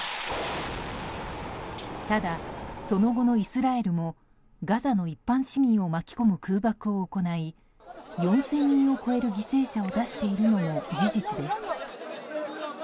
ただ、その後のイスラエルもガザの一般市民を巻き込む空爆を行い４０００人を超える犠牲者を出しているのも事実です。